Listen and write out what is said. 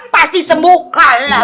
pasti sembuh kalah kalah